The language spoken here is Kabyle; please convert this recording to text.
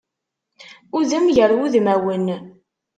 Udem gar wudmawen.